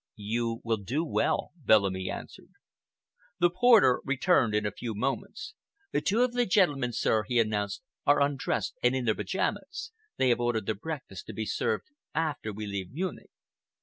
"You will do well," Bellamy answered. The porter returned in a few moments. "Two of the gentlemen, sir," he announced, "are undressed and in their pyjamas. They have ordered their breakfast to be served after we leave Munich."